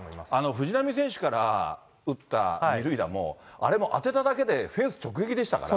藤浪選手から打った２塁打も、あれも当てただけでフェンス直撃でしたからね。